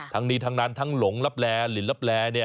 ทั้งนี้ทั้งนั้นทั้งหลงลับแลหลินลับแล